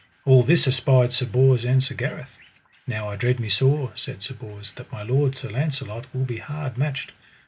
All this espied Sir Bors and Sir Gareth. Now I dread me sore, said Sir Bors, that my lord, Sir Launcelot, will be hard matched.